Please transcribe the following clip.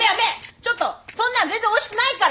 ちょっとそんなの全然おいしくないから。